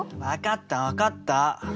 分かった分かった。